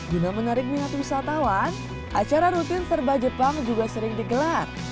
guna menarik minat wisatawan acara rutin serba jepang juga sering digelar